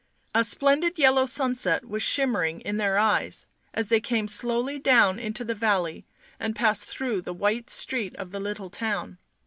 A splendid yellow sunset was shimmering in their eyes as they came slowly down into the valley and passed through the white street of the little town.